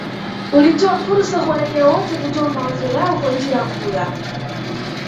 Ulitoa fursa kwa raia wote kutoa mawazo yao kwa njia ya kura